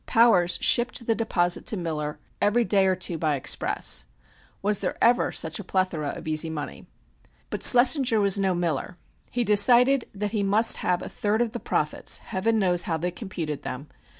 Powers shipped the deposits to Miller every day or two by express. Was there ever such a plethora of easy money? But Schlessinger was no Miller. He decided that he must have a third of the profits (Heaven knows how they computed them!)